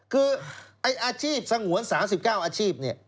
คือไอ้อาชีพสงวน๓๙อาชีพเนี่ย